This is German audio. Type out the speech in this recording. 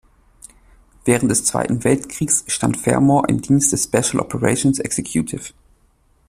Während des Zweiten Weltkriegs stand Fermor im Dienst der Special Operations Executive.